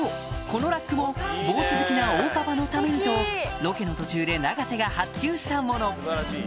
このラックも帽子好きな大パパのためにとロケの途中で永瀬が発注したもの